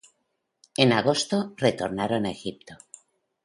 En agosto retornaron a Egipto.